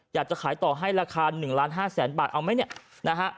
อยากจะขายต่อให้ราคา๑ล้าน๕แสนบาทเอาไหมเนี่ยนะฮะ